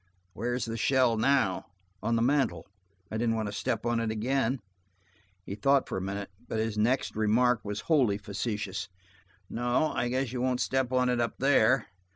"Where's the shell now?" "On the mantel. I didn't want to step on it again." He thought for a minute, but his next remark was wholly facetious. "No. I guess you won't step on it up there.